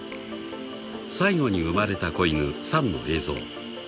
［最後に生まれた子犬サンの映像］